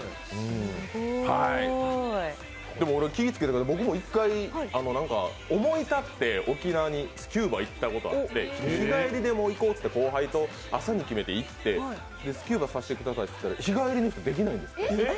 気をつけてください俺も思い立って沖縄にスキューバ、行ったことがあって日帰りで行こうと、後輩と朝に決めて行って、スキューバさせてくださいって言ったら日帰りの人、できないんですって。